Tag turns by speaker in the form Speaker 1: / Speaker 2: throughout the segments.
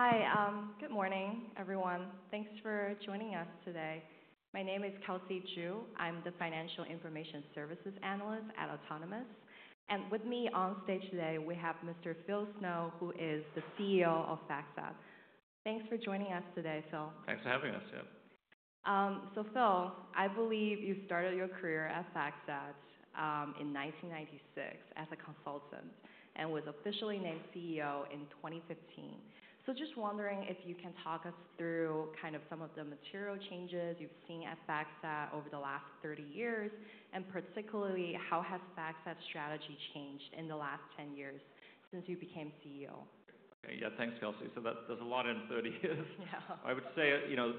Speaker 1: Hi, good morning, everyone. Thanks for joining us today. My name is Kelsey Zhu. I'm the Financial Information Services Analyst at Autonomous. And with me on stage today, we have Mr. Phil Snow, who is the CEO of FactSet. Thanks for joining us today, Phil.
Speaker 2: Thanks for having us, yeah.
Speaker 1: Phil, I believe you started your career at FactSet in 1996 as a consultant and was officially named CEO in 2015. Just wondering if you can talk us through kind of some of the material changes you've seen at FactSet over the last 30 years, and particularly how has FactSet's strategy changed in the last 10 years since you became CEO.
Speaker 2: Yeah, thanks, Kelsey. There's a lot in 30 years. I would say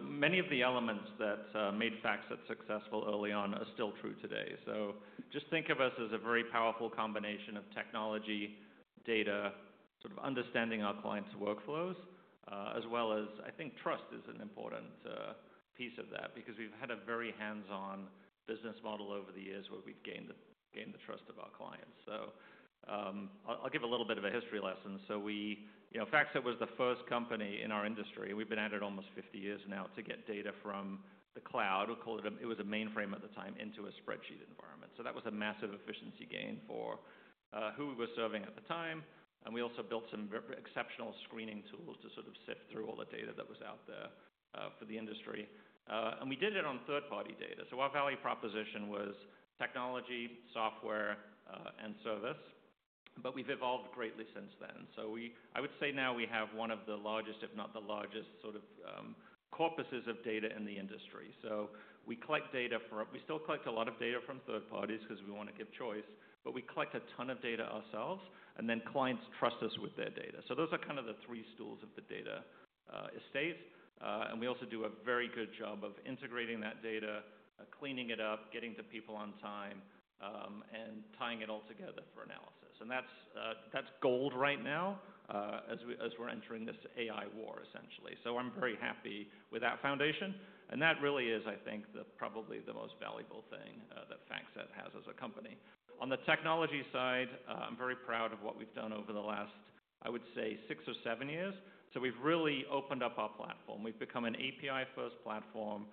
Speaker 2: many of the elements that made FactSet successful early on are still true today. Just think of us as a very powerful combination of technology, data, sort of understanding our clients' workflows, as well as, I think, trust is an important piece of that, because we've had a very hands-on business model over the years where we've gained the trust of our clients. I'll give a little bit of a history lesson. FactSet was the first company in our industry—we've been at it almost 50 years now—to get data from the cloud. It was a mainframe at the time into a spreadsheet environment. That was a massive efficiency gain for who we were serving at the time. We also built some exceptional screening tools to sort of sift through all the data that was out there for the industry. We did it on third-party data. Our value proposition was technology, software, and service. We have evolved greatly since then. I would say now we have one of the largest, if not the largest, sort of corpuses of data in the industry. We collect data from—we still collect a lot of data from third parties because we want to give choice—but we collect a ton of data ourselves. Clients trust us with their data. Those are kind of the three stools of the data estate. We also do a very good job of integrating that data, cleaning it up, getting it to people on time, and tying it all together for analysis. That's gold right now as we're entering this AI war, essentially. I'm very happy with that foundation. That really is, I think, probably the most valuable thing that FactSet has as a company. On the technology side, I'm very proud of what we've done over the last, I would say, six or seven years. We've really opened up our platform. We've become an API-first platform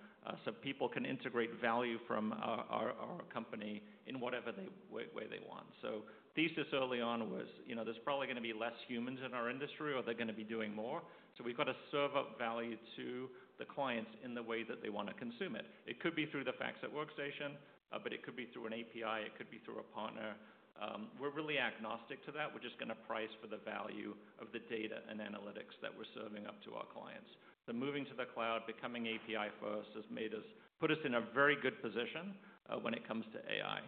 Speaker 2: so people can integrate value from our company in whatever way they want. The thesis early on was there's probably going to be fewer humans in our industry, or they're going to be doing more. We've got to serve up value to the clients in the way that they want to consume it. It could be through the FactSet Workstation, but it could be through an API. It could be through a partner. We're really agnostic to that. We're just going to price for the value of the data and analytics that we're serving up to our clients. Moving to the cloud, becoming API-first has put us in a very good position when it comes to AI.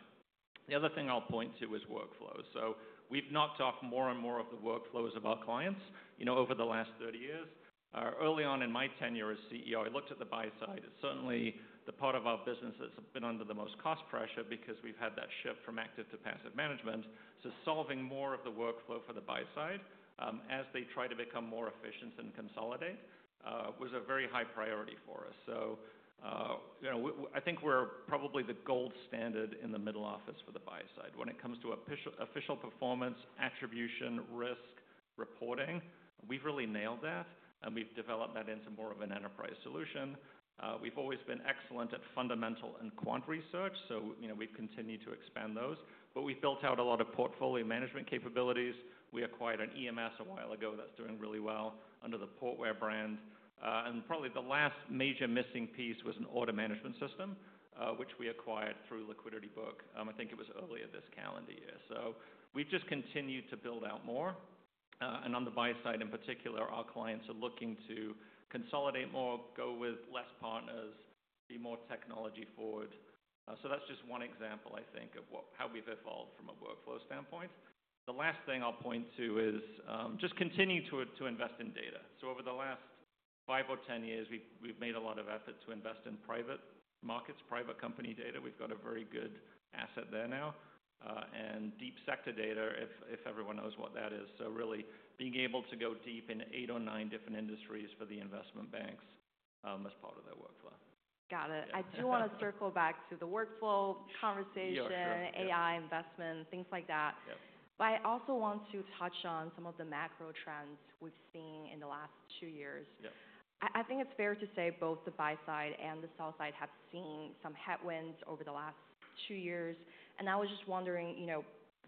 Speaker 2: The other thing I'll point to is workflows. We've knocked off more and more of the workflows of our clients over the last 30 years. Early on in my tenure as CEO, I looked at the buy side. It's certainly the part of our business that's been under the most cost pressure because we've had that shift from active to passive management. Solving more of the workflow for the buy side, as they try to become more efficient and consolidate, was a very high priority for us. I think we're probably the gold standard in the middle office for the buy side. When it comes to official performance, attribution, risk, reporting, we've really nailed that. And we've developed that into more of an enterprise solution. We've always been excellent at fundamental and quant research. So we've continued to expand those. But we've built out a lot of portfolio management capabilities. We acquired an EMS a while ago that's doing really well under the Portware brand. And probably the last major missing piece was an order management system, which we acquired through LiquidityBook. I think it was earlier this calendar year. So we've just continued to build out more. And on the buy side, in particular, our clients are looking to consolidate more, go with less partners, be more technology forward. So that's just one example, I think, of how we've evolved from a workflow standpoint. The last thing I'll point to is just continue to invest in data. Over the last five or ten years, we've made a lot of effort to invest in private markets, private company data. We've got a very good asset there now. And deep sector data, if everyone knows what that is. Really being able to go deep in eight or nine different industries for the investment banks as part of their workflow.
Speaker 1: Got it. I do want to circle back to the workflow conversation, AI investment, things like that. I also want to touch on some of the macro trends we've seen in the last two years. I think it's fair to say both the buy side and the sell side have seen some headwinds over the last two years. I was just wondering,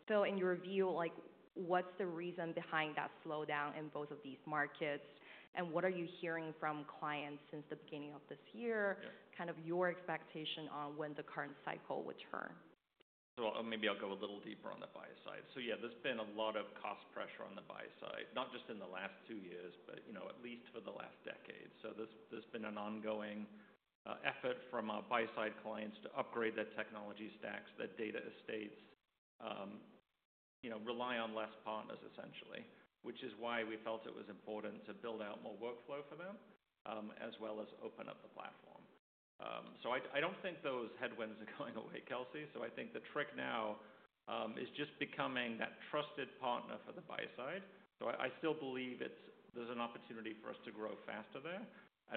Speaker 1: Phil, in your view, what's the reason behind that slowdown in both of these markets? What are you hearing from clients since the beginning of this year? Kind of your expectation on when the current cycle would turn?
Speaker 2: Maybe I'll go a little deeper on the buy side. Yeah, there's been a lot of cost pressure on the buy side, not just in the last two years, but at least for the last decade. There's been an ongoing effort from our buy side clients to upgrade their technology stacks, their data estates, rely on fewer partners, essentially, which is why we felt it was important to build out more workflow for them, as well as open up the platform. I don't think those headwinds are going away, Kelsey. I think the trick now is just becoming that trusted partner for the buy side. I still believe there's an opportunity for us to grow faster there.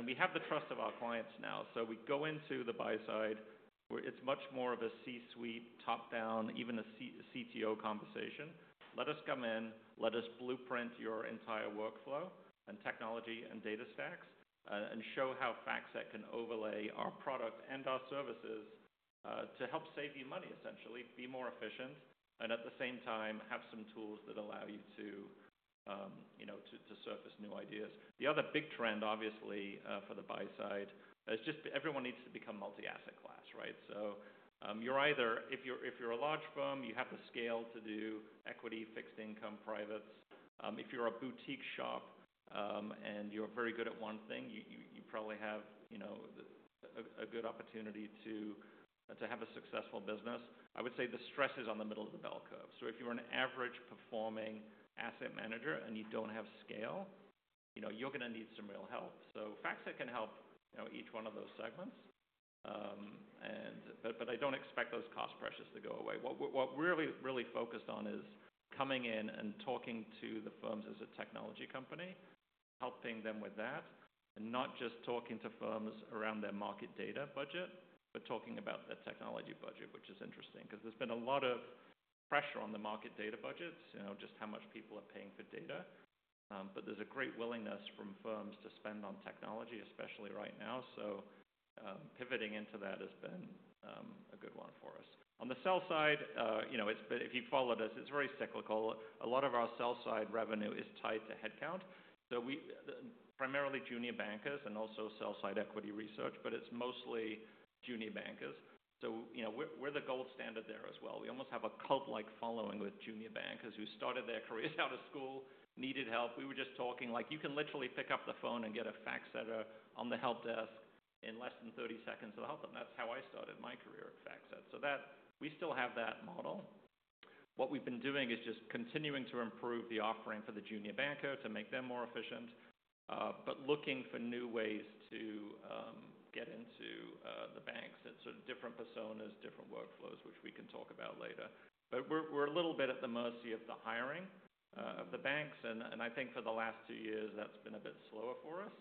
Speaker 2: We have the trust of our clients now. We go into the buy side, it's much more of a C-suite, top-down, even a CTO conversation. Let us come in. Let us blueprint your entire workflow and technology and data stacks and show how FactSet can overlay our product and our services to help save you money, essentially, be more efficient, and at the same time have some tools that allow you to surface new ideas. The other big trend, obviously, for the buy side is just everyone needs to become multi-asset class, right? If you're a large firm, you have the scale to do equity, fixed income, privates. If you're a boutique shop and you're very good at one thing, you probably have a good opportunity to have a successful business. I would say the stress is on the middle of the bell curve. If you're an average performing asset manager and you don't have scale, you're going to need some real help. FactSet can help each one of those segments. I do not expect those cost pressures to go away. What we're really focused on is coming in and talking to the firms as a technology company, helping them with that, and not just talking to firms around their market data budget, but talking about their technology budget, which is interesting because there's been a lot of pressure on the market data budgets, just how much people are paying for data. There's a great willingness from firms to spend on technology, especially right now. Pivoting into that has been a good one for us. On the sell side, if you followed us, it's very cyclical. A lot of our sell side revenue is tied to headcount. Primarily junior bankers and also sell side equity research, but it's mostly junior bankers. We're the gold standard there as well. We almost have a cult-like following with junior bankers who started their careers out of school, needed help. We were just talking like you can literally pick up the phone and get a FactSetter on the help desk in less than 30 seconds to help them. That's how I started my career at FactSet. We still have that model. What we've been doing is just continuing to improve the offering for the junior banker to make them more efficient, but looking for new ways to get into the banks at sort of different personas, different workflows, which we can talk about later. We are a little bit at the mercy of the hiring of the banks. I think for the last two years, that's been a bit slower for us.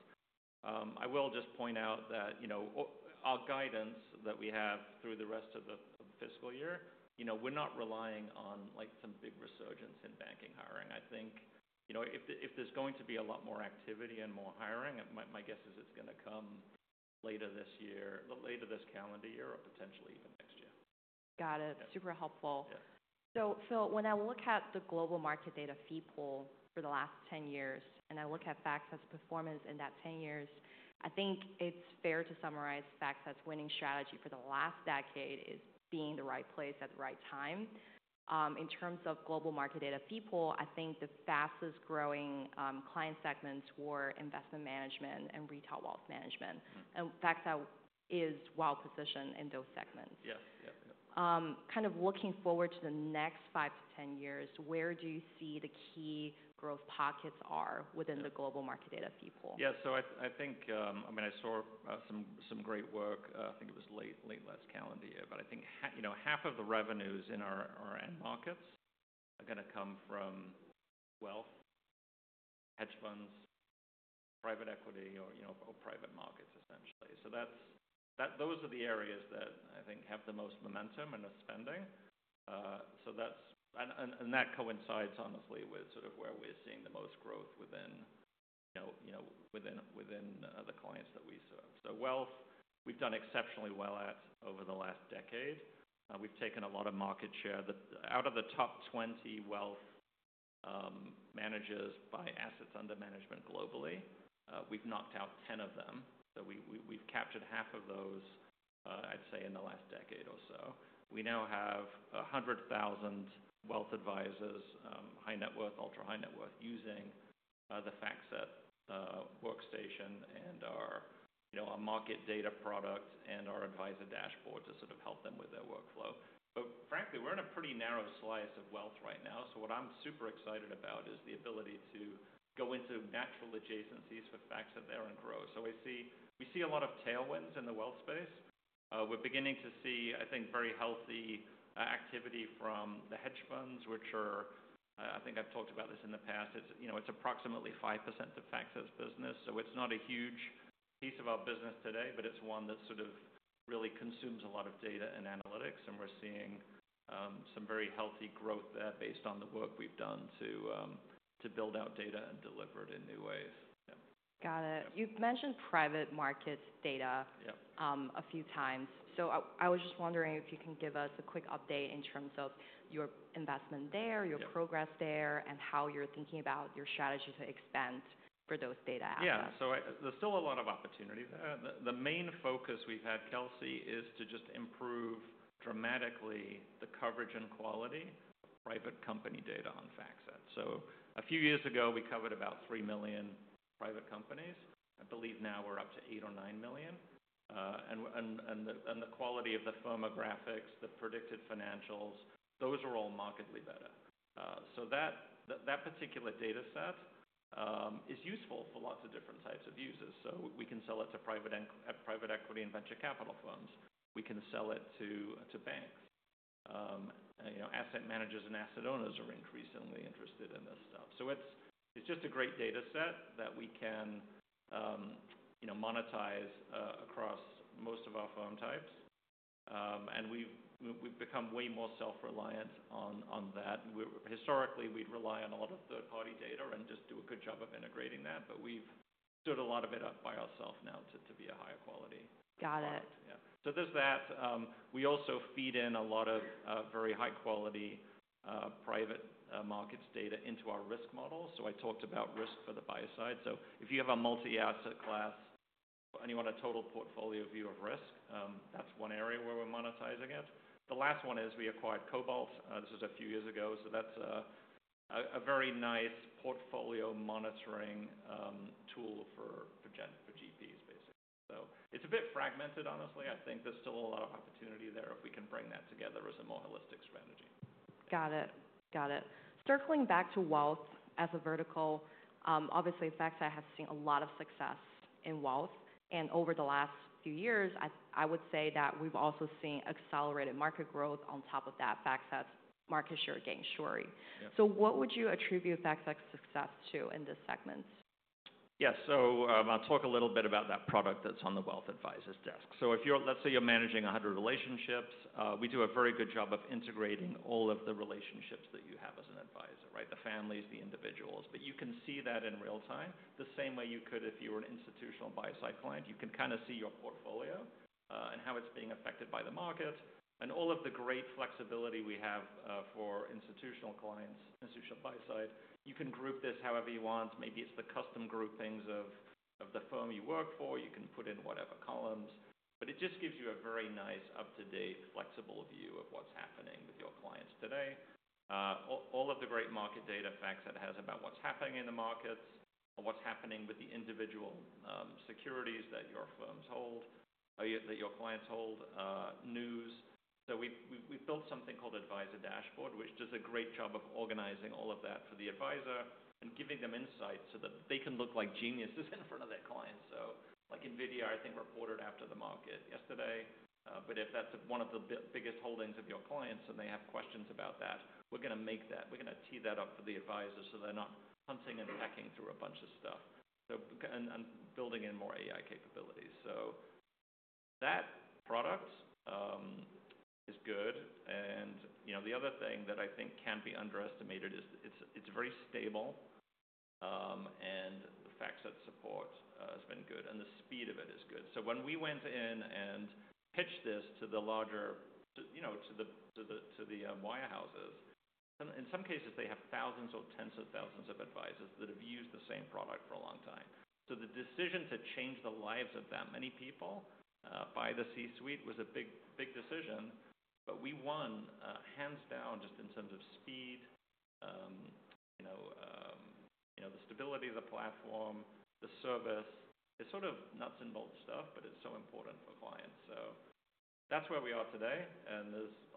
Speaker 2: I will just point out that our guidance that we have through the rest of the fiscal year, we're not relying on some big resurgence in banking hiring. I think if there's going to be a lot more activity and more hiring, my guess is it's going to come later this year, later this calendar year, or potentially even next year.
Speaker 1: Got it. Super helpful. Phil, when I look at the global market data feed pool for the last 10 years and I look at FactSet's performance in that 10 years, I think it is fair to summarize FactSet's winning strategy for the last decade as being the right place at the right time. In terms of global market data feed pool, I think the fastest growing client segments were investment management and retail wealth management. FactSet is well positioned in those segments.
Speaker 2: Yes.
Speaker 1: Kind of looking forward to the next five to ten years, where do you see the key growth pockets are within the global market data feed pool?
Speaker 2: Yeah. So I think, I mean, I saw some great work. I think it was late last calendar year. I think half of the revenues in our end markets are going to come from wealth, hedge funds, private equity, or private markets, essentially. Those are the areas that I think have the most momentum and are spending. That coincides, honestly, with sort of where we're seeing the most growth within the clients that we serve. Wealth, we've done exceptionally well at over the last decade. We've taken a lot of market share. Out of the top 20 wealth managers by assets under management globally, we've knocked out 10 of them. We've captured half of those, I'd say, in the last decade or so. We now have 100,000 wealth advisors, high net worth, ultra high net worth, using the FactSet Workstation and our market data product and our Advisor Dashboard to sort of help them with their workflow. Frankly, we're in a pretty narrow slice of wealth right now. What I'm super excited about is the ability to go into natural adjacencies for FactSet there and grow. We see a lot of tailwinds in the wealth space. We're beginning to see, I think, very healthy activity from the hedge funds, which are, I think I've talked about this in the past, it's approximately 5% of FactSet's business. It's not a huge piece of our business today, but it's one that sort of really consumes a lot of data and analytics. We are seeing some very healthy growth there based on the work we have done to build out data and deliver it in new ways.
Speaker 1: Got it. You've mentioned private markets data a few times. I was just wondering if you can give us a quick update in terms of your investment there, your progress there, and how you're thinking about your strategy to expand for those data assets.
Speaker 2: Yeah. So there's still a lot of opportunity there. The main focus we've had, Kelsey, is to just improve dramatically the coverage and quality of private company data on FactSet. A few years ago, we covered about 3 million private companies. I believe now we're up to 8 million or 9 million. The quality of the firmographics, the predicted financials, those are all markedly better. That particular data set is useful for lots of different types of users. We can sell it to private equity and venture capital firms. We can sell it to banks. Asset managers and asset owners are increasingly interested in this stuff. It's just a great data set that we can monetize across most of our firm types. We've become way more self-reliant on that. Historically, we'd rely on a lot of third-party data and just do a good job of integrating that. We have stood a lot of it up by ourself now to be a higher quality.
Speaker 1: Got it.
Speaker 2: Yeah. So there's that. We also feed in a lot of very high-quality private markets data into our risk model. I talked about risk for the buy side. If you have a multi-asset class and you want a total portfolio view of risk, that's one area where we're monetizing it. The last one is we acquired Cobalt. This was a few years ago. That's a very nice portfolio monitoring tool for GPs, basically. It's a bit fragmented, honestly. I think there's still a lot of opportunity there if we can bring that together as a more holistic strategy.
Speaker 1: Got it. Got it. Circling back to wealth as a vertical, obviously, FactSet has seen a lot of success in wealth. Over the last few years, I would say that we've also seen accelerated market growth on top of that FactSet's market share gain story. What would you attribute FactSet's success to in this segment?
Speaker 2: Yeah. I'll talk a little bit about that product that's on the wealth advisor's desk. Let's say you're managing 100 relationships. We do a very good job of integrating all of the relationships that you have as an advisor, right? The families, the individuals. You can see that in real time, the same way you could if you were an institutional buy side client. You can kind of see your portfolio and how it's being affected by the market. All of the great flexibility we have for institutional clients, institutional buy side, you can group this however you want. Maybe it's the custom groupings of the firm you work for. You can put in whatever columns. It just gives you a very nice up-to-date flexible view of what's happening with your clients today. All of the great market data FactSet has about what's happening in the markets, what's happening with the individual securities that your firms hold, that your clients hold, news. We have built something called Advisor Dashboard, which does a great job of organizing all of that for the advisor and giving them insight so that they can look like geniuses in front of their clients. Like NVIDIA Corporation, I think, reported after the market yesterday. If that's one of the biggest holdings of your clients and they have questions about that, we are going to make that. We are going to tee that up for the advisor so they are not hunting and pecking through a bunch of stuff and building in more AI capabilities. That product is good. The other thing that I think cannot be underestimated is it is very stable. The FactSet support has been good. The speed of it is good. When we went in and pitched this to the larger wirehouses, in some cases, they have thousands or tens of thousands of advisors that have used the same product for a long time. The decision to change the lives of that many people by the C-suite was a big decision. We won, hands down, just in terms of speed, the stability of the platform, the service. It is sort of nuts and bolts stuff, but it is so important for clients. That is where we are today.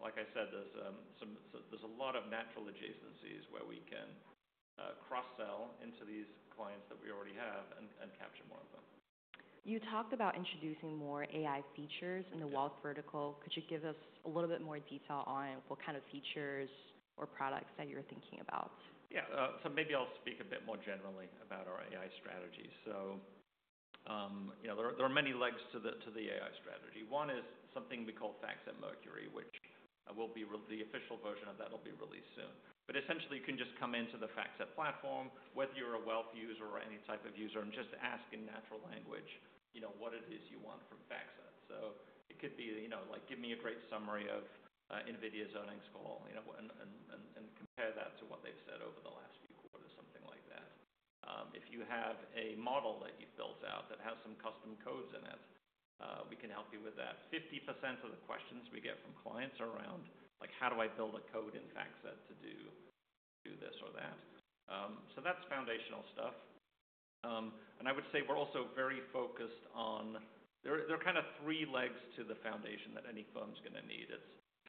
Speaker 2: Like I said, there is a lot of natural adjacencies where we can cross-sell into these clients that we already have and capture more of them.
Speaker 1: You talked about introducing more AI features in the wealth vertical. Could you give us a little bit more detail on what kind of features or products that you're thinking about?
Speaker 2: Yeah. Maybe I'll speak a bit more generally about our AI strategy. There are many legs to the AI strategy. One is something we call FactSet Mercury, which the official version of that will be released soon. Essentially, you can just come into the FactSet platform, whether you're a wealth user or any type of user, and just ask in natural language what it is you want from FactSet. It could be like, "Give me a great summary of NVIDIA Corporation's earnings call," and compare that to what they've said over the last few quarters, something like that. If you have a model that you've built out that has some custom codes in it, we can help you with that. 50% of the questions we get from clients are around like, "How do I build a code in FactSet to do this or that?" That is foundational stuff. I would say we are also very focused on there are kind of three legs to the foundation that any firm's going to need. It is,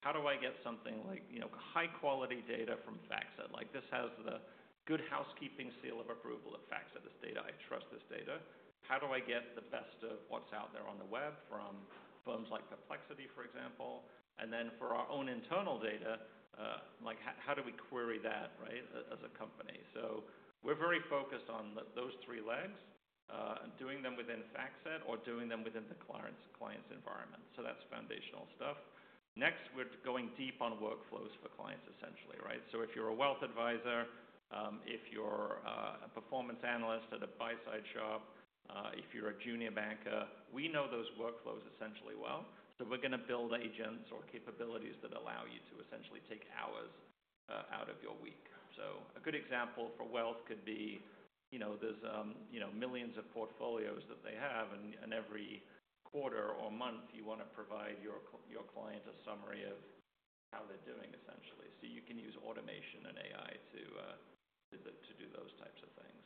Speaker 2: "How do I get something like high-quality data from FactSet?" Like, "This has the good housekeeping seal of approval that FactSet is data. I trust this data. How do I get the best of what is out there on the web from firms like Perplexity, for example?" Then for our own internal data, like, "How do we query that, right, as a company?" We are very focused on those three legs and doing them within FactSet or doing them within the client's environment. That is foundational stuff. Next, we are going deep on workflows for clients, essentially, right? If you're a wealth advisor, if you're a performance analyst at a buy-side shop, if you're a junior banker, we know those workflows essentially well. We're going to build agents or capabilities that allow you to essentially take hours out of your week. A good example for wealth could be there are millions of portfolios that they have. Every quarter or month, you want to provide your client a summary of how they're doing, essentially. You can use automation and AI to do those types of things.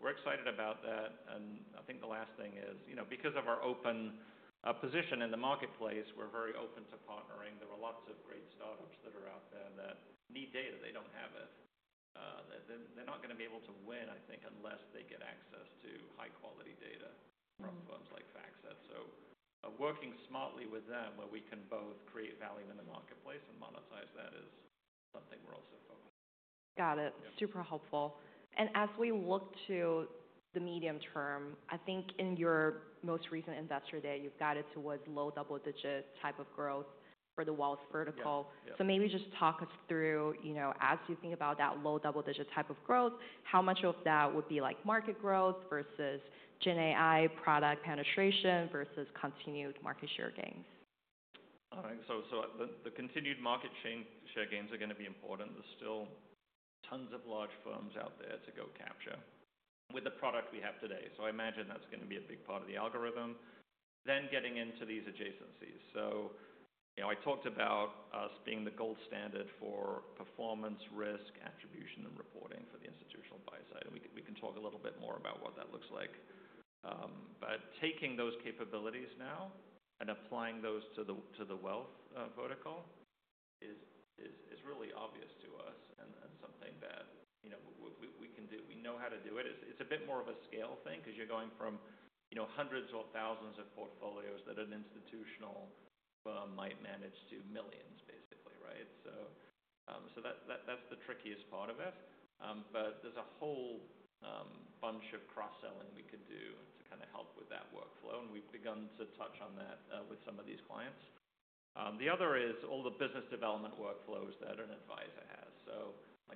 Speaker 2: We're excited about that. I think the last thing is, because of our open position in the marketplace, we're very open to partnering. There are lots of great startups that are out there that need data. They don't have it. They're not going to be able to win, I think, unless they get access to high-quality data from firms like FactSet. Working smartly with them where we can both create value in the marketplace and monetize that is something we're also focused on.
Speaker 1: Got it. Super helpful. As we look to the medium term, I think in your most recent investor day, you have it towards low double-digit type of growth for the wealth vertical. Maybe just talk us through, as you think about that low double-digit type of growth, how much of that would be market growth versus GenAI product penetration versus continued market share gains?
Speaker 2: All right. The continued market share gains are going to be important. There are still tons of large firms out there to go capture with the product we have today. I imagine that is going to be a big part of the algorithm. Getting into these adjacencies, I talked about us being the gold standard for performance, risk, attribution, and reporting for the institutional buy side. We can talk a little bit more about what that looks like. Taking those capabilities now and applying those to the wealth vertical is really obvious to us and something that we can do. We know how to do it. It is a bit more of a scale thing because you are going from hundreds or thousands of portfolios that an institutional firm might manage to millions, basically, right? That is the trickiest part of it. There is a whole bunch of cross-selling we could do to kind of help with that workflow. We have begun to touch on that with some of these clients. The other is all the business development workflows that an advisor has.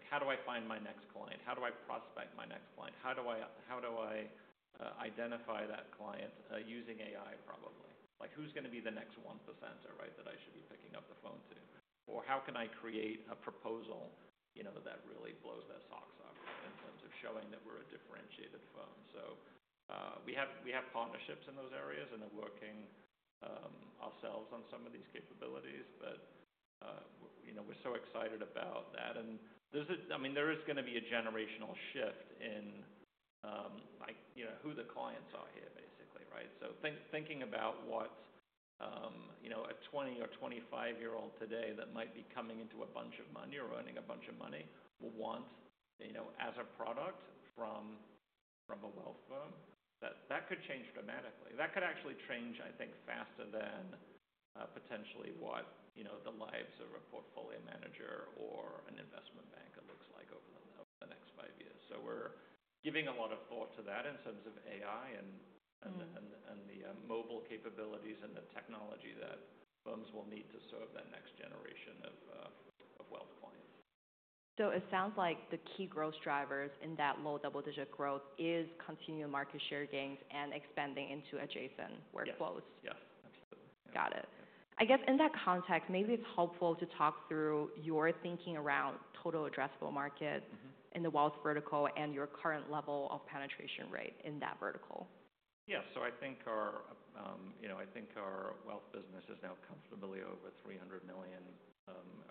Speaker 2: How do I find my next client? How do I prospect my next client? How do I identify that client using AI, probably? Who is going to be the next one percenter, right, that I should be picking up the phone to? How can I create a proposal that really blows their socks off in terms of showing that we are a differentiated firm? We have partnerships in those areas, and we are working ourselves on some of these capabilities. We are so excited about that. I mean, there is going to be a generational shift in who the clients are here, basically, right? Thinking about what a 20 or 25-year-old today that might be coming into a bunch of money or earning a bunch of money will want as a product from a wealth firm, that could change dramatically. That could actually change, I think, faster than potentially what the lives of a portfolio manager or an investment banker looks like over the next five years. We are giving a lot of thought to that in terms of AI and the mobile capabilities and the technology that firms will need to serve that next generation of wealth clients.
Speaker 1: It sounds like the key growth drivers in that low double-digit growth is continued market share gains and expanding into adjacent workflows.
Speaker 2: Yes. Yes. Absolutely.
Speaker 1: Got it. I guess in that context, maybe it's helpful to talk through your thinking around total addressable market in the wealth vertical and your current level of penetration rate in that vertical.
Speaker 2: Yeah. So I think our wealth business is now comfortably over $300 million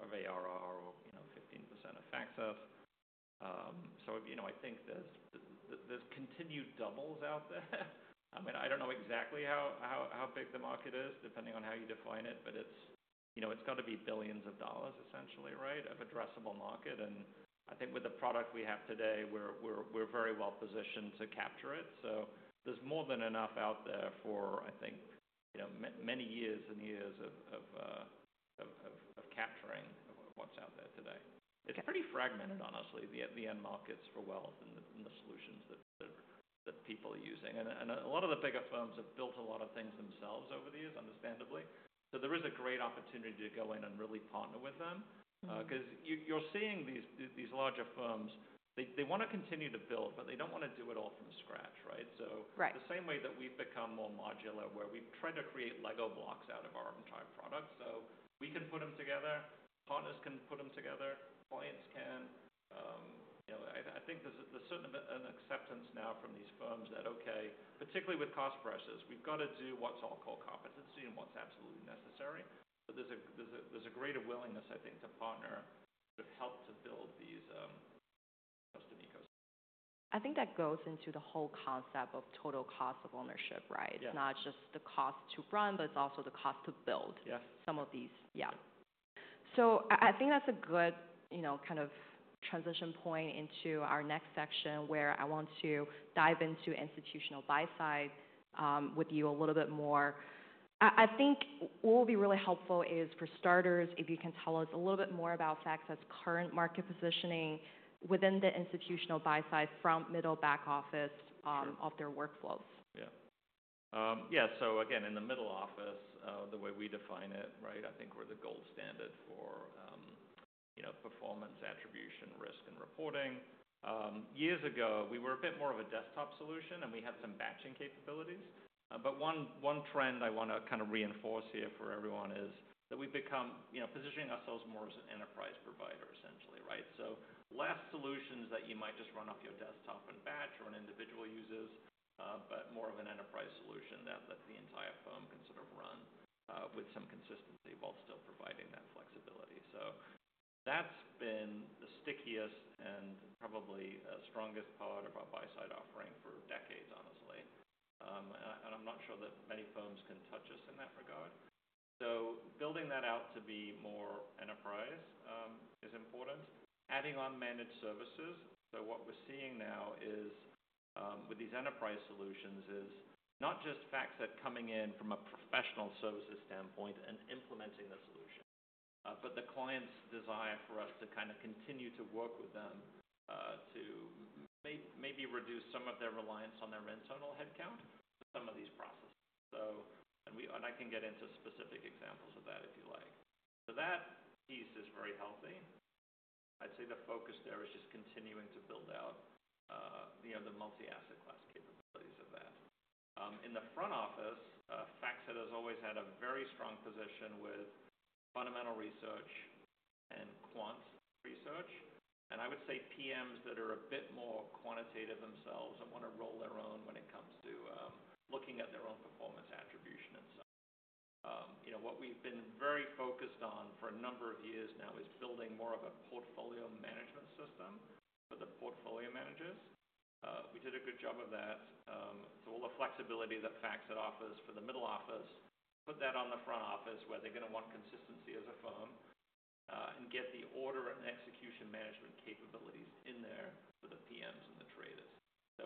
Speaker 2: of ARR or 15% of FactSet. I think there's continued doubles out there. I mean, I don't know exactly how big the market is, depending on how you define it. But it's got to be billions of dollars, essentially, right, of addressable market. I think with the product we have today, we're very well positioned to capture it. There's more than enough out there for, I think, many years and years of capturing what's out there today. It's pretty fragmented, honestly, the end markets for wealth and the solutions that people are using. A lot of the bigger firms have built a lot of things themselves over the years, understandably. There is a great opportunity to go in and really partner with them because you're seeing these larger firms. They want to continue to build, but they don't want to do it all from scratch, right? The same way that we've become more modular, where we've tried to create Lego blocks out of our entire product. We can put them together. Partners can put them together. Clients can. I think there's a certain acceptance now from these firms that, okay, particularly with cost pressures, we've got to do what's our core competency and what's absolutely necessary. There's a greater willingness, I think, to partner to help to build these custom ecosystems.
Speaker 1: I think that goes into the whole concept of total cost of ownership, right? It's not just the cost to run, but it's also the cost to build some of these. Yeah. I think that's a good kind of transition point into our next section, where I want to dive into institutional buy side with you a little bit more. I think what will be really helpful is, for starters, if you can tell us a little bit more about FactSet's current market positioning within the institutional buy side from middle back office of their workflows.
Speaker 2: Yeah. Yeah. Again, in the middle office, the way we define it, right, I think we're the gold standard for performance, attribution, risk, and reporting. Years ago, we were a bit more of a desktop solution, and we had some batching capabilities. One trend I want to kind of reinforce here for everyone is that we've become positioning ourselves more as an enterprise provider, essentially, right? Less solutions that you might just run off your desktop and batch or an individual uses, but more of an enterprise solution that the entire firm can sort of run with some consistency while still providing that flexibility. That's been the stickiest and probably strongest part of our buy side offering for decades, honestly. I'm not sure that many firms can touch us in that regard. Building that out to be more enterprise is important. Adding on managed services. What we're seeing now with these enterprise solutions is not just FactSet coming in from a professional services standpoint and implementing the solution, but the client's desire for us to kind of continue to work with them to maybe reduce some of their reliance on their internal headcount for some of these processes. I can get into specific examples of that if you like. That piece is very healthy. I'd say the focus there is just continuing to build out the multi-asset class capabilities of that. In the front office, FactSet has always had a very strong position with fundamental research and quant research. I would say PMs that are a bit more quantitative themselves and want to roll their own when it comes to looking at their own performance attribution and such. What we've been very focused on for a number of years now is building more of a portfolio management system for the portfolio managers. We did a good job of that. All the flexibility that FactSet offers for the middle office, put that on the front office where they're going to want consistency as a firm and get the order and execution management capabilities in there for the PMs and the traders.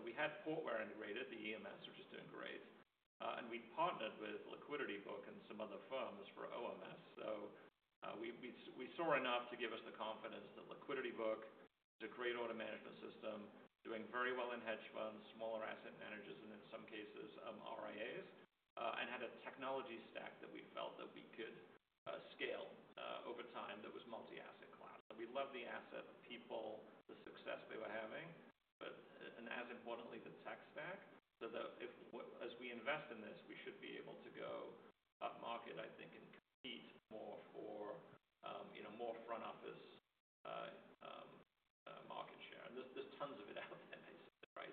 Speaker 2: We had Portware integrated. The EMS are just doing great. We partnered with LiquidityBook and some other firms for OMS. We saw enough to give us the confidence that LiquidityBook is a great order management system, doing very well in hedge funds, smaller asset managers, and in some cases, RIAs, and had a technology stack that we felt that we could scale over time that was multi-asset class. We love the asset, the people, the success they were having, but as importantly, the tech stack. As we invest in this, we should be able to go upmarket, I think, and compete more for more front office market share. There is tons of it out there, basically, right?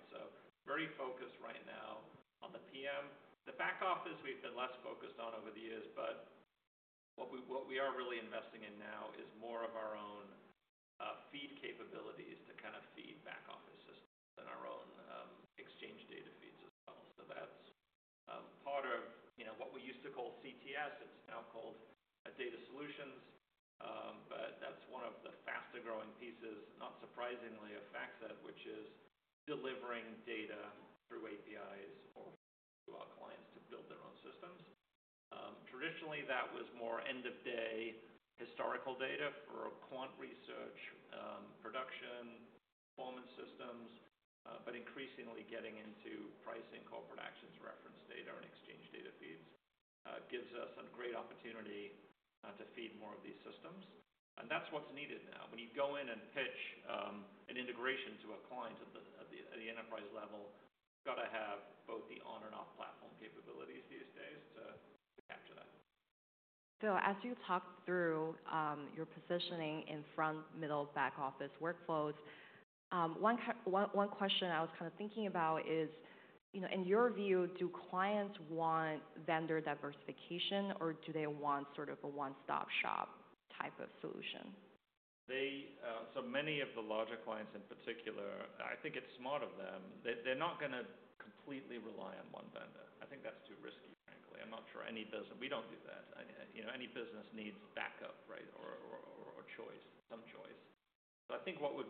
Speaker 2: Very focused right now on the PM. The back office, we have been less focused on over the years. What we are really investing in now is more of our own feed capabilities to kind of feed back office systems and our own exchange data feeds as well. That is part of what we used to call CTS. It is now called data solutions. That is one of the faster-growing pieces, not surprisingly, of FactSet, which is delivering data through APIs or through our clients to build their own systems. Traditionally, that was more end-of-day historical data for quant research, production, performance systems, but increasingly getting into pricing, corporate actions reference data, and exchange data feeds gives us a great opportunity to feed more of these systems. That is what is needed now. When you go in and pitch an integration to a client at the enterprise level, you have got to have both the on-and-off platform capabilities these days to capture that.
Speaker 1: Phil, as you talk through your positioning in front, middle, back office workflows, one question I was kind of thinking about is, in your view, do clients want vendor diversification, or do they want sort of a one-stop-shop type of solution?
Speaker 2: Many of the larger clients, in particular, I think it's smart of them. They're not going to completely rely on one vendor. I think that's too risky, frankly. I'm not sure any doesn't. We don't do that. Any business needs backup, right, or some choice. I think what we're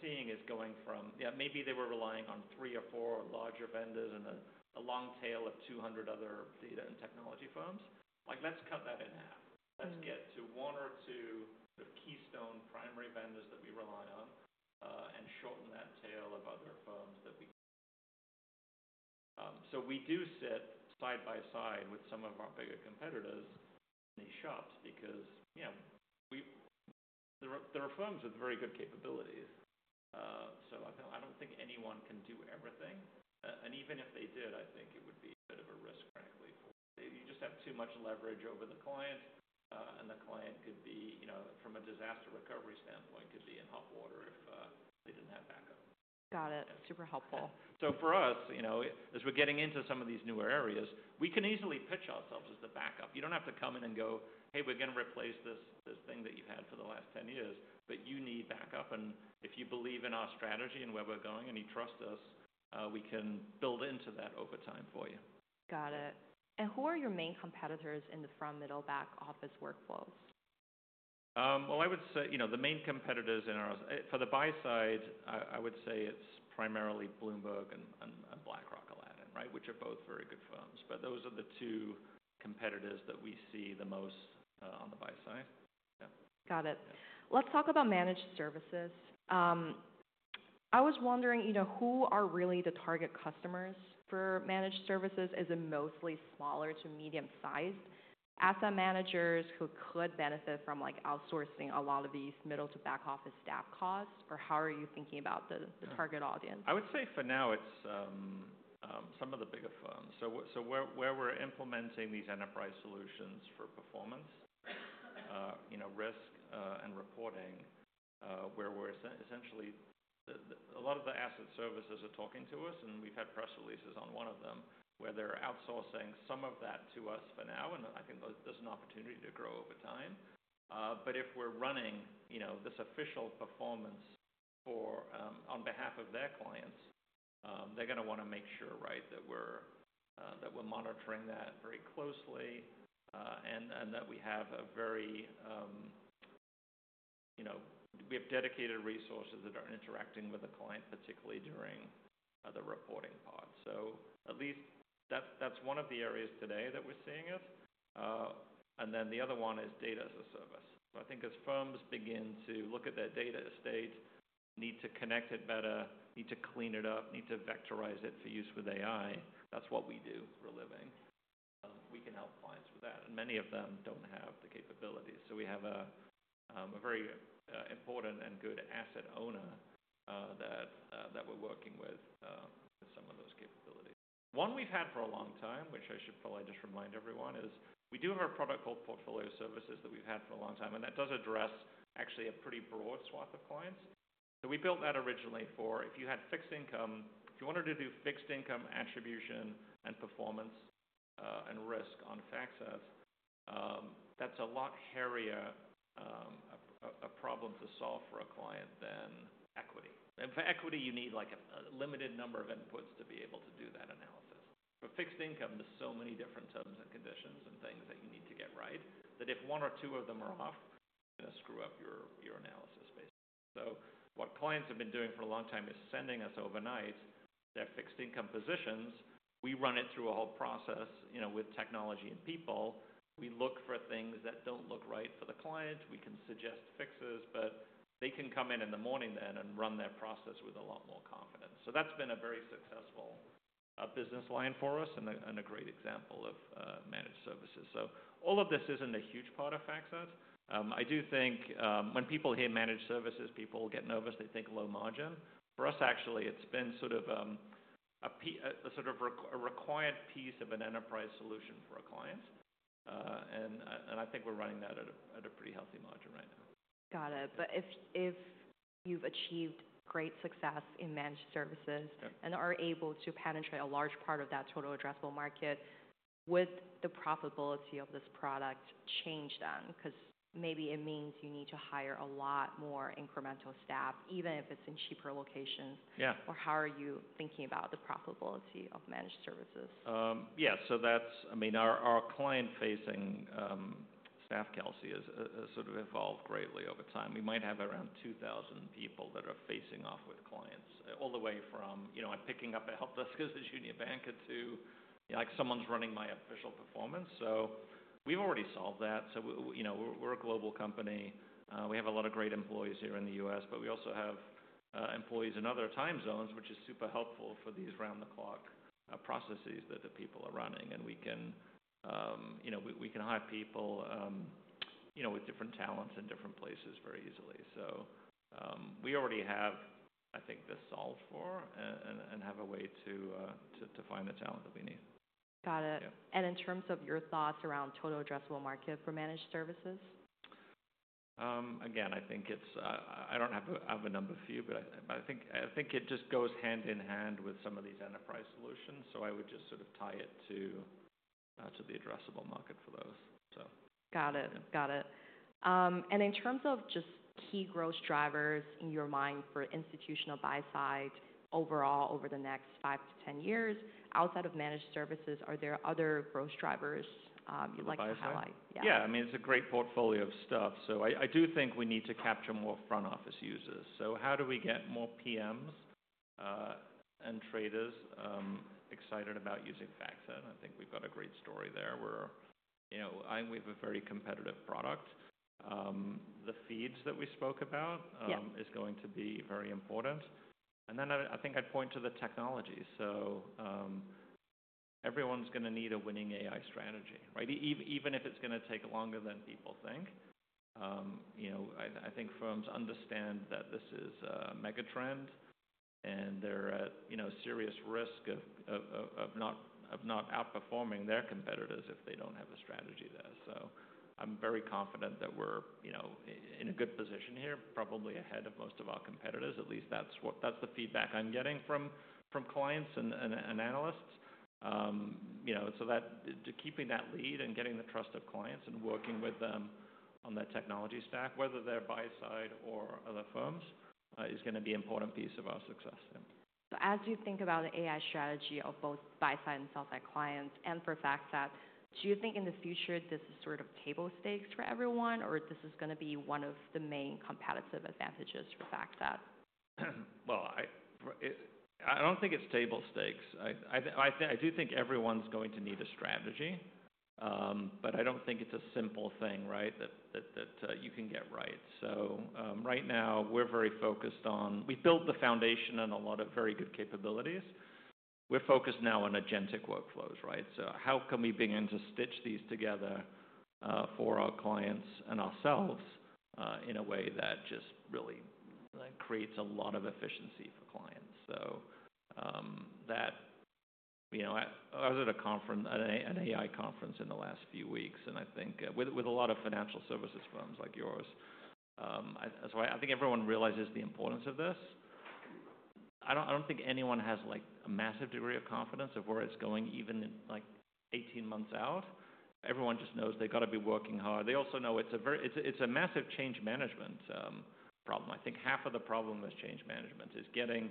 Speaker 2: seeing is going from, yeah, maybe they were relying on three or four larger vendors and a long tail of 200 other data and technology firms. Let's cut that in half. Let's get to one or two keystone primary vendors that we rely on and shorten that tail of other firms that we can. We do sit side by side with some of our bigger competitors in these shops because there are firms with very good capabilities. I don't think anyone can do everything. Even if they did, I think it would be a bit of a risk, frankly, for you. You just have too much leverage over the client. The client could be, from a disaster recovery standpoint, in hot water if they did not have backup.
Speaker 1: Got it. Super helpful.
Speaker 2: For us, as we're getting into some of these newer areas, we can easily pitch ourselves as the backup. You don't have to come in and go, "Hey, we're going to replace this thing that you've had for the last 10 years," but you need backup. If you believe in our strategy and where we're going and you trust us, we can build into that over time for you.
Speaker 1: Got it. Who are your main competitors in the front, middle, back office workflows?
Speaker 2: I would say the main competitors in our for the buy side, I would say it's primarily Bloomberg and BlackRock Aladdin, right, which are both very good firms. Those are the two competitors that we see the most on the buy side. Yeah.
Speaker 1: Got it. Let's talk about managed services. I was wondering, who are really the target customers for managed services? Is it mostly smaller to medium-sized asset managers who could benefit from outsourcing a lot of these middle to back office staff costs? Or how are you thinking about the target audience?
Speaker 2: I would say for now, it's some of the bigger firms. Where we're implementing these enterprise solutions for performance, risk, and reporting, where essentially a lot of the asset services are talking to us, and we've had press releases on one of them where they're outsourcing some of that to us for now. I think there's an opportunity to grow over time. If we're running this official performance on behalf of their clients, they're going to want to make sure, right, that we're monitoring that very closely and that we have dedicated resources that are interacting with the client, particularly during the reporting pod. At least that's one of the areas today that we're seeing it. The other one is data as a service. I think as firms begin to look at their data estate, need to connect it better, need to clean it up, need to vectorize it for use with AI, that's what we do for a living. We can help clients with that. Many of them don't have the capabilities. We have a very important and good asset owner that we're working with with some of those capabilities. One we've had for a long time, which I should probably just remind everyone, is we do have a product called Portfolio Services that we've had for a long time. That does address actually a pretty broad swath of clients. We built that originally for if you had fixed income, if you wanted to do fixed income attribution and performance and risk on FactSet, that's a lot hairier a problem to solve for a client than equity. For equity, you need a limited number of inputs to be able to do that analysis. For fixed income, there are so many different terms and conditions and things that you need to get right that if one or two of them are off, you're going to screw up your analysis, basically. What clients have been doing for a long time is sending us overnight their fixed income positions. We run it through a whole process with technology and people. We look for things that do not look right for the client. We can suggest fixes, but they can come in in the morning then and run their process with a lot more confidence. That has been a very successful business line for us and a great example of managed services. All of this is not a huge part of FactSet. I do think when people hear managed services, people get nervous. They think low margin. For us, actually, it's been sort of a required piece of an enterprise solution for our clients. I think we're running that at a pretty healthy margin right now.
Speaker 1: Got it. If you've achieved great success in managed services and are able to penetrate a large part of that total addressable market, would the profitability of this product change then? Because maybe it means you need to hire a lot more incremental staff, even if it's in cheaper locations. How are you thinking about the profitability of managed services?
Speaker 2: Yeah. So I mean, our client-facing staff, Kelsey, has sort of evolved greatly over time. We might have around 2,000 people that are facing off with clients all the way from picking up a help desk at the Union Bank to someone's running my official performance. We have already solved that. We are a global company. We have a lot of great employees here in the US, but we also have employees in other time zones, which is super helpful for these round-the-clock processes that the people are running. We can hire people with different talents in different places very easily. We already have, I think, this solved for and have a way to find the talent that we need.
Speaker 1: Got it. In terms of your thoughts around total addressable market for managed services?
Speaker 2: Again, I think it's I don't have a number for you, but I think it just goes hand in hand with some of these enterprise solutions. I would just sort of tie it to the addressable market for those, so.
Speaker 1: Got it. Got it. In terms of just key growth drivers in your mind for institutional buy side overall over the next five to 10 years, outside of managed services, are there other growth drivers you'd like to highlight?
Speaker 2: Yeah. I mean, it's a great portfolio of stuff. I do think we need to capture more front office users. How do we get more PMs and traders excited about using FactSet? I think we've got a great story there. We have a very competitive product. The feeds that we spoke about are going to be very important. I would point to the technology. Everyone's going to need a winning AI strategy, right? Even if it's going to take longer than people think. I think firms understand that this is a megatrend, and they're at serious risk of not outperforming their competitors if they don't have a strategy there. I'm very confident that we're in a good position here, probably ahead of most of our competitors. At least that's the feedback I'm getting from clients and analysts. Keeping that lead and getting the trust of clients and working with them on that technology stack, whether they're buy side or other firms, is going to be an important piece of our success, yeah.
Speaker 1: As you think about the AI strategy of both buy side and sell side clients and for FactSet, do you think in the future this is sort of table stakes for everyone, or this is going to be one of the main competitive advantages for FactSet?
Speaker 2: I do not think it is table stakes. I do think everyone's going to need a strategy, but I do not think it is a simple thing, right, that you can get right. Right now, we are very focused on we have built the foundation and a lot of very good capabilities. We are focused now on agentic workflows, right? How can we begin to stitch these together for our clients and ourselves in a way that just really creates a lot of efficiency for clients? I was at an AI conference in the last few weeks, and I think with a lot of financial services firms like yours. I think everyone realizes the importance of this. I do not think anyone has a massive degree of confidence of where it is going even 18 months out. Everyone just knows they have got to be working hard. They also know it's a massive change management problem. I think half of the problem with change management is getting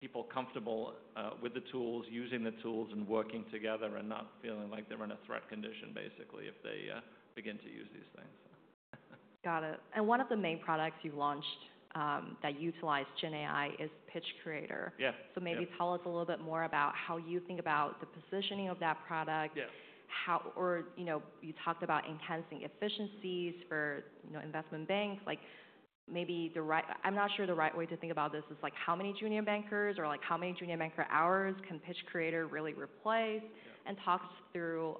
Speaker 2: people comfortable with the tools, using the tools, and working together and not feeling like they're in a threat condition, basically, if they begin to use these things.
Speaker 1: Got it. One of the main products you've launched that utilizes GenAI is Pitch Creator. Maybe tell us a little bit more about how you think about the positioning of that product. You talked about enhancing efficiencies for investment banks. I'm not sure the right way to think about this is how many junior bankers or how many junior banker hours can Pitch Creator really replace and talk us through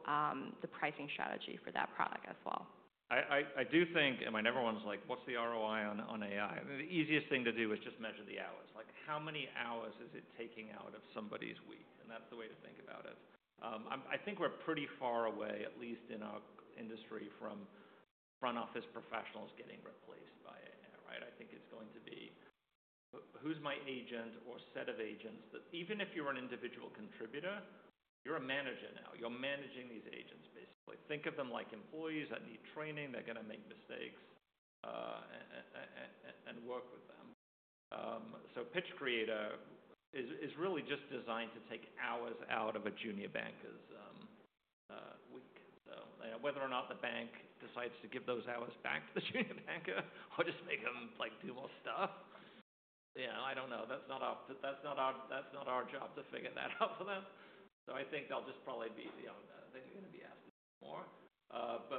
Speaker 1: the pricing strategy for that product as well.
Speaker 2: I do think, and my number one is like, what's the ROI on AI? The easiest thing to do is just measure the hours. How many hours is it taking out of somebody's week? And that's the way to think about it. I think we're pretty far away, at least in our industry, from front office professionals getting replaced by AI, right? I think it's going to be who's my agent or set of agents that even if you're an individual contributor, you're a manager now. You're managing these agents, basically. Think of them like employees that need training. They're going to make mistakes and work with them. So Pitch Creator is really just designed to take hours out of a junior banker's week. Whether or not the bank decides to give those hours back to the junior banker or just make them do more stuff, yeah, I do not know. That is not our job to figure that out for them. I think they will just probably be the only thing they are going to be asked to do more.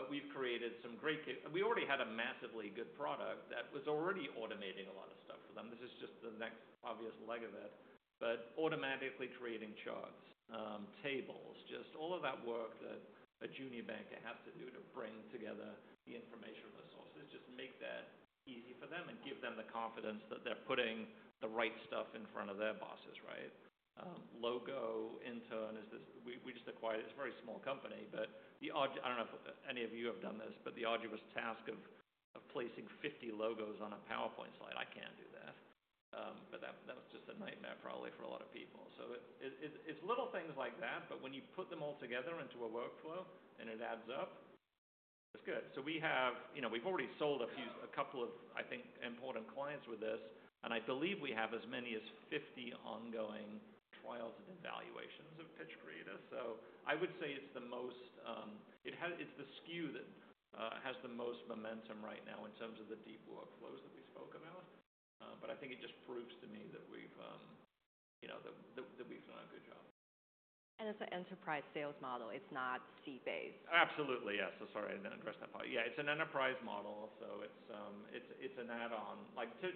Speaker 2: We have created some great—we already had a massively good product that was already automating a lot of stuff for them. This is just the next obvious leg of it. Automatically creating charts, tables, just all of that work that a junior banker has to do to bring together the information resources just makes that easy for them and gives them the confidence that they are putting the right stuff in front of their bosses, right? Logo intern is this we just acquired. It's a very small company, but I don't know if any of you have done this, but the arduous task of placing 50 logos on a PowerPoint slide, I can't do that. That was just a nightmare probably for a lot of people. It's little things like that, but when you put them all together into a workflow and it adds up, it's good. We've already sold a couple of, I think, important clients with this. I believe we have as many as 50 ongoing trials and evaluations of Pitch Creator. I would say it's the SKU that has the most momentum right now in terms of the deep workflows that we spoke about. I think it just proves to me that we've done a good job.
Speaker 1: It is an enterprise sales model. It is not seat-based.
Speaker 2: Absolutely, yes. Sorry, I didn't address that part. Yeah, it's an enterprise model. It's an add-on.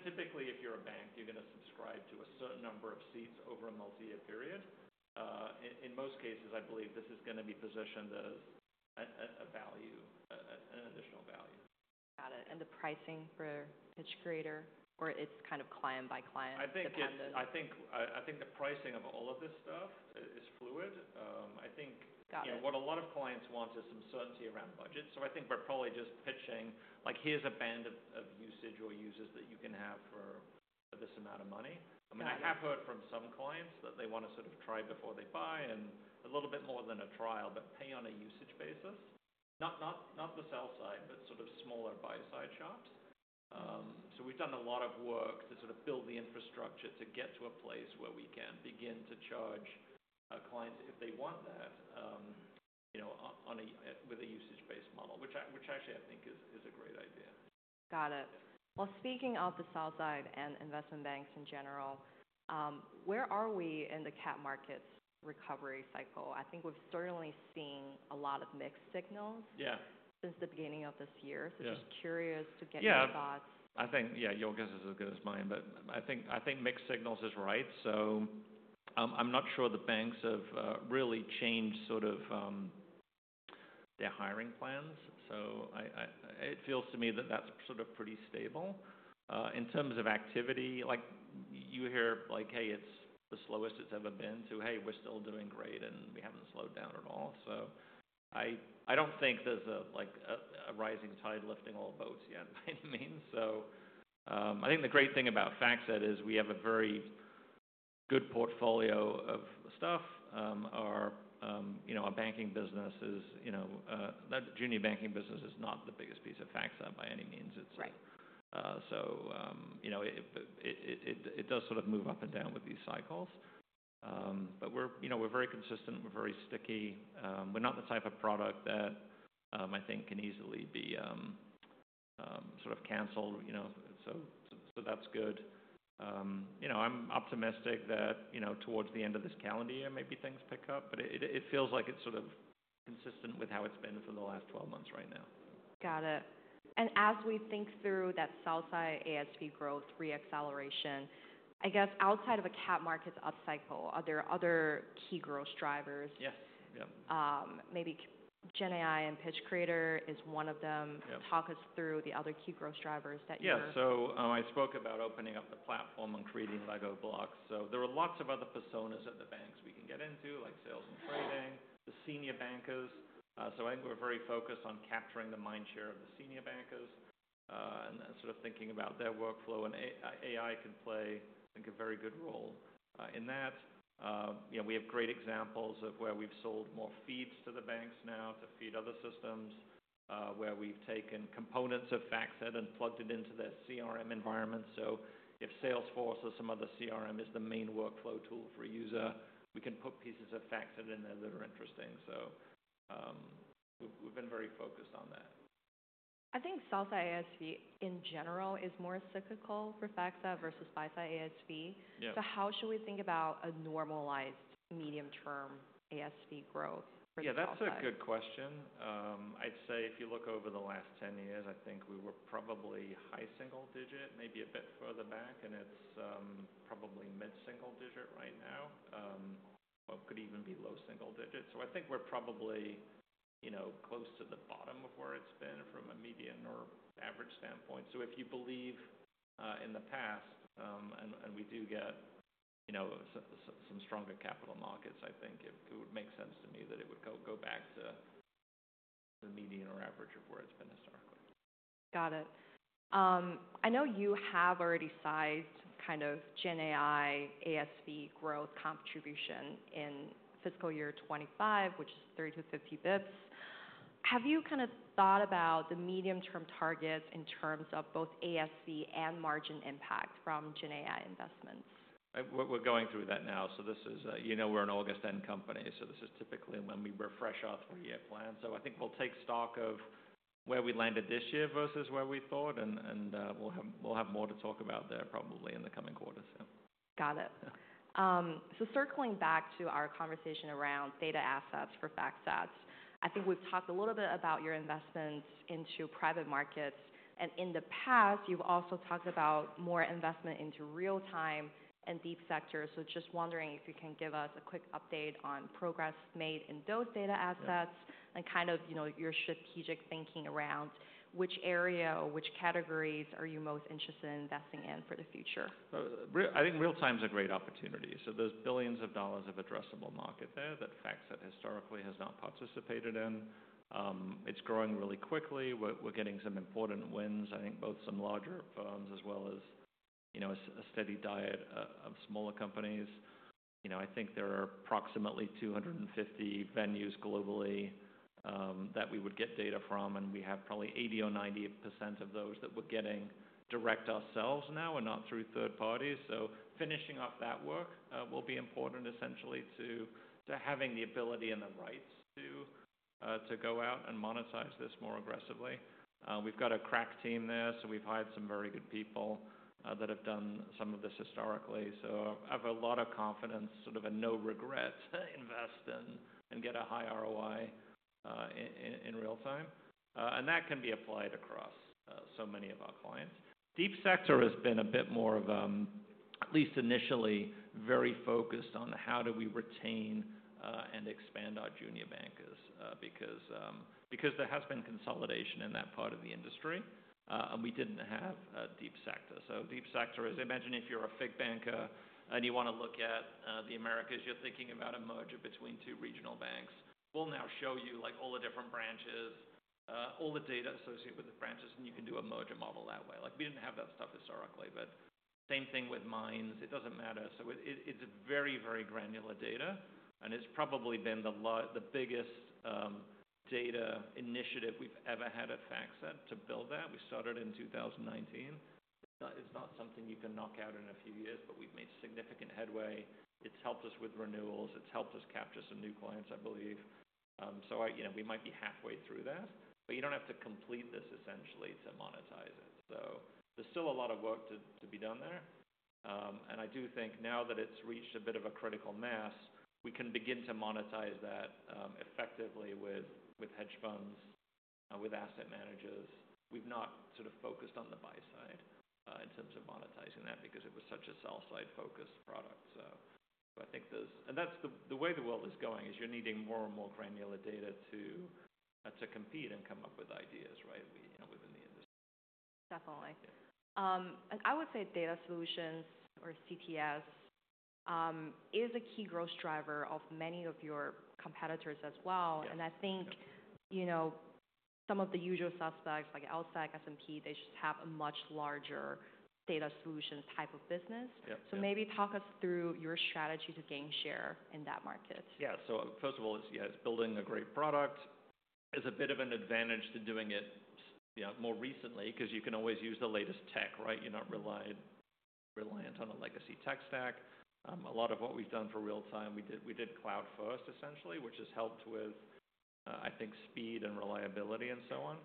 Speaker 2: Typically, if you're a bank, you're going to subscribe to a certain number of seats over a multi-year period. In most cases, I believe this is going to be positioned as an additional value.
Speaker 1: Got it. The pricing for Pitch Creator, or it's kind of client by client dependent?
Speaker 2: I think the pricing of all of this stuff is fluid. I think what a lot of clients want is some certainty around budget. I think we're probably just pitching, like, here's a band of usage or users that you can have for this amount of money. I mean, I have heard from some clients that they want to sort of try before they buy and a little bit more than a trial, but pay on a usage basis. Not the sell side, but sort of smaller buy side shops. We have done a lot of work to sort of build the infrastructure to get to a place where we can begin to charge clients if they want that with a usage-based model, which actually I think is a great idea.
Speaker 1: Got it. Speaking of the sell side and investment banks in general, where are we in the cap markets recovery cycle? I think we've certainly seen a lot of mixed signals since the beginning of this year. Just curious to get your thoughts.
Speaker 2: Yeah. I think, yeah, your guess is as good as mine. I think mixed signals is right. I'm not sure the banks have really changed sort of their hiring plans. It feels to me that that's sort of pretty stable. In terms of activity, you hear, like, hey, it's the slowest it's ever been to, hey, we're still doing great and we haven't slowed down at all. I don't think there's a rising tide lifting all boats yet, by any means. I think the great thing about FactSet is we have a very good portfolio of stuff. Our banking business is not the junior banking business is not the biggest piece of FactSet, by any means. It does sort of move up and down with these cycles. We're very consistent. We're very sticky. We're not the type of product that I think can easily be sort of canceled. That is good. I'm optimistic that towards the end of this calendar year, maybe things pick up. It feels like it's sort of consistent with how it's been for the last 12 months right now.
Speaker 1: Got it. As we think through that sell side, ASV growth, reacceleration, I guess outside of a cap markets upcycle, are there other key growth drivers?
Speaker 2: Yes. Yep.
Speaker 1: Maybe GenAI and Pitch Creator is one of them. Talk us through the other key growth drivers that you're.
Speaker 2: Yeah. I spoke about opening up the platform and creating LEGO blocks. There are lots of other personas at the banks we can get into, like sales and trading, the senior bankers. I think we're very focused on capturing the mind share of the senior bankers and sort of thinking about their workflow. AI can play, I think, a very good role in that. We have great examples of where we've sold more feeds to the banks now to feed other systems, where we've taken components of FactSet and plugged it into their CRM environment. If Salesforce or some other CRM is the main workflow tool for a user, we can put pieces of FactSet in there that are interesting. We've been very focused on that.
Speaker 1: I think sell side ASV in general is more cyclical for FactSet versus buy side ASV. How should we think about a normalized medium-term ASV growth for the future?
Speaker 2: Yeah, that's a good question. I'd say if you look over the last 10 years, I think we were probably high single digit, maybe a bit further back, and it's probably mid-single digit right now, or it could even be low single digit. I think we're probably close to the bottom of where it's been from a median or average standpoint. If you believe in the past, and we do get some stronger capital markets, I think it would make sense to me that it would go back to the median or average of where it's been historically.
Speaker 1: Got it. I know you have already sized kind of GenAI ASV growth contribution in fiscal year 2025, which is 30-50 basis points. Have you kind of thought about the medium-term targets in terms of both ASV and margin impact from GenAI investments?
Speaker 2: We're going through that now. You know we're an August-end company. This is typically when we refresh our three-year plan. I think we'll take stock of where we landed this year versus where we thought, and we'll have more to talk about there probably in the coming quarter.
Speaker 1: Got it. Circling back to our conversation around data assets for FactSet, I think we've talked a little bit about your investments into private markets. In the past, you've also talked about more investment into real-time and deep sectors. Just wondering if you can give us a quick update on progress made in those data assets and kind of your strategic thinking around which area or which categories are you most interested in investing in for the future.
Speaker 2: I think real-time is a great opportunity. There are billions of dollars of addressable market there that FactSet historically has not participated in. It is growing really quickly. We are getting some important wins, I think, both some larger firms as well as a steady diet of smaller companies. I think there are approximately 250 venues globally that we would get data from, and we have probably 80% or 90% of those that we are getting direct ourselves now and not through third parties. Finishing up that work will be important essentially to having the ability and the rights to go out and monetize this more aggressively. We have got a crack team there, so we have hired some very good people that have done some of this historically. I have a lot of confidence, sort of a no-regret invest and get a high ROI in real-time. That can be applied across so many of our clients. Deep sector has been a bit more of, at least initially, very focused on how do we retain and expand our junior bankers because there has been consolidation in that part of the industry, and we did not have deep sector. Deep sector is, imagine if you are a FIG banker and you want to look at the Americas, you are thinking about a merger between two regional banks. We will now show you all the different branches, all the data associated with the branches, and you can do a merger model that way. We did not have that stuff historically, but same thing with mines. It does not matter. It is very, very granular data, and it has probably been the biggest data initiative we have ever had at FactSet to build that. We started in 2019. It's not something you can knock out in a few years, but we've made significant headway. It's helped us with renewals. It's helped us capture some new clients, I believe. We might be halfway through that. You don't have to complete this essentially to monetize it. There's still a lot of work to be done there. I do think now that it's reached a bit of a critical mass, we can begin to monetize that effectively with hedge funds, with asset managers. We've not sort of focused on the buy side in terms of monetizing that because it was such a sell-side-focused product. I think there's, and that's the way the world is going, is you're needing more and more granular data to compete and come up with ideas, right, within the industry.
Speaker 1: Definitely. I would say data solutions or CTS is a key growth driver of many of your competitors as well. I think some of the usual suspects, like LSEG, S&P, they just have a much larger data solutions type of business. Maybe talk us through your strategy to gain share in that market.
Speaker 2: Yeah. First of all, it's building a great product. There's a bit of an advantage to doing it more recently because you can always use the latest tech, right? You're not reliant on a legacy tech stack. A lot of what we've done for real-time, we did Cloud First essentially, which has helped with, I think, speed and reliability and so on.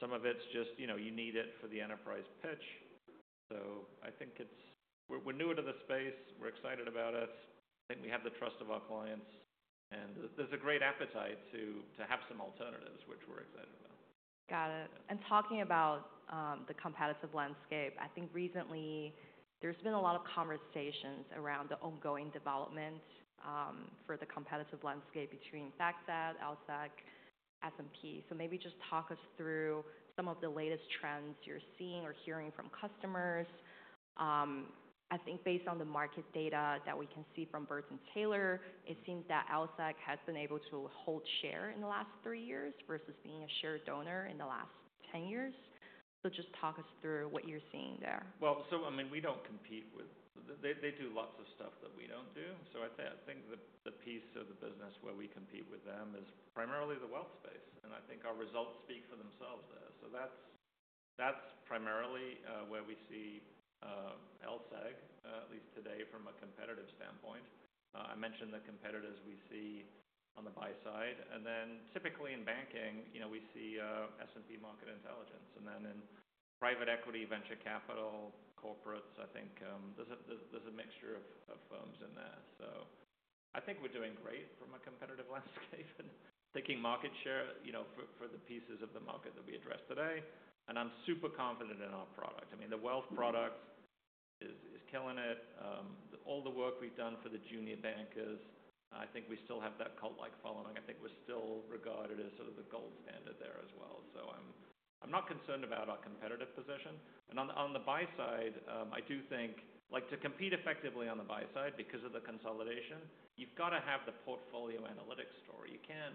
Speaker 2: Some of it's just you need it for the enterprise pitch. I think we're newer to the space. We're excited about it. I think we have the trust of our clients, and there's a great appetite to have some alternatives, which we're excited about.
Speaker 1: Got it. Talking about the competitive landscape, I think recently there's been a lot of conversations around the ongoing development for the competitive landscape between FactSet, LSEG, S&P. Maybe just talk us through some of the latest trends you're seeing or hearing from customers. I think based on the market data that we can see from Burton-Taylor, it seems that LSEG has been able to hold share in the last three years versus being a share donor in the last 10 years. Just talk us through what you're seeing there.
Speaker 2: I mean, we do not compete with them. They do lots of stuff that we do not do. I think the piece of the business where we compete with them is primarily the wealth space. I think our results speak for themselves there. That is primarily where we see LSEG, at least today from a competitive standpoint. I mentioned the competitors we see on the buy side. Typically in banking, we see S&P Market Intelligence. In private equity, venture capital, corporates, I think there is a mixture of firms in there. I think we are doing great from a competitive landscape and taking market share for the pieces of the market that we address today. I am super confident in our product. I mean, the wealth product is killing it. All the work we've done for the junior bankers, I think we still have that cult-like following. I think we're still regarded as sort of the gold standard there as well. I am not concerned about our competitive position. On the buy side, I do think to compete effectively on the buy side because of the consolidation, you've got to have the portfolio analytics story. You can't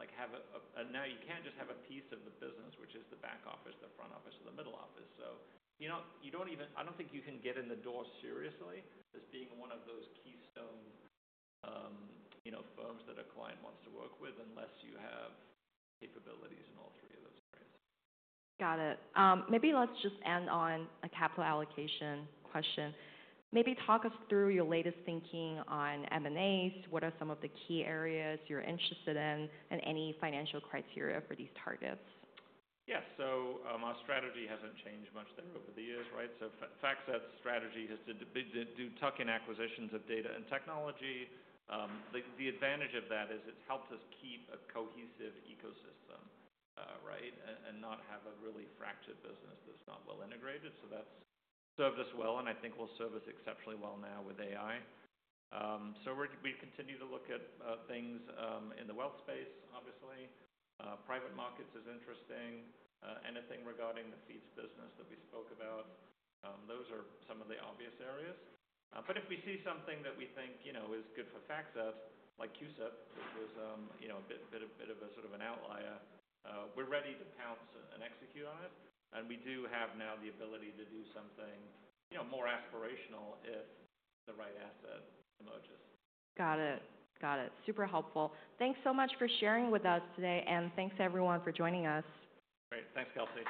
Speaker 2: just have a piece of the business, which is the back office, the front office, or the middle office. I do not think you can get in the door seriously as being one of those keystone firms that a client wants to work with unless you have capabilities in all three of those areas.
Speaker 1: Got it. Maybe let's just end on a capital allocation question. Maybe talk us through your latest thinking on M&As. What are some of the key areas you're interested in and any financial criteria for these targets?
Speaker 2: Yeah. Our strategy has not changed much there over the years, right? FactSet's strategy has to do tuck-in acquisitions of data and technology. The advantage of that is it has helped us keep a cohesive ecosystem, right, and not have a really fractured business that is not well integrated. That has served us well, and I think will serve us exceptionally well now with AI. We continue to look at things in the wealth space, obviously. Private markets is interesting. Anything regarding the feeds business that we spoke about, those are some of the obvious areas. If we see something that we think is good for FactSet, like QSIP, which was a bit of a sort of an outlier, we are ready to pounce and execute on it. We do have now the ability to do something more aspirational if the right asset emerges.
Speaker 1: Got it. Got it. Super helpful. Thanks so much for sharing with us today, and thanks everyone for joining us.
Speaker 2: Great. Thanks, Kelsey.